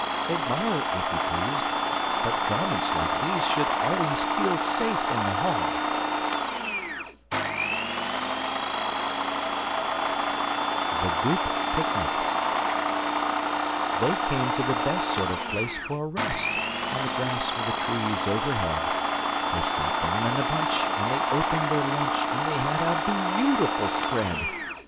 Admire, if you please, But garments like these Should always feel safe in the hall! [Illustration: The Goop Picnic] THE GOOP PICNIC They came to the best sort of place for a rest, On the grass, with the trees overhead, They sat down in a bunch and they opened their lunch, And they had a be autiful spread!